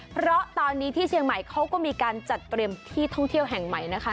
เพราะตอนนี้ที่เชียงใหม่เขาก็มีการจัดเตรียมที่ท่องเที่ยวแห่งใหม่นะคะ